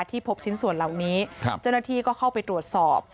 พบชิ้นส่วนเหล่านี้เจ้าหน้าที่ก็เข้าไปตรวจสอบ